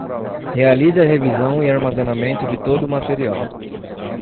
Realize a revisão e armazenamento de todo o material.